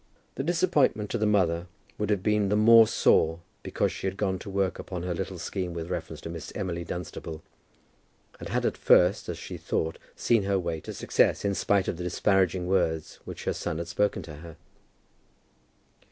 The disappointment to the mother would be the more sore because she had gone to work upon her little scheme with reference to Miss Emily Dunstable, and had at first, as she thought, seen her way to success, to success in spite of the disparaging words which her son had spoken to her.